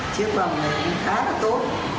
chiếc vòng này khá là tốt